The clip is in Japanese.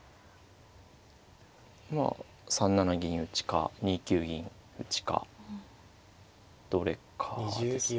まあ３七銀打か２九銀打かどれかですね。